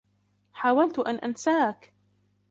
حاولت أن أنساك!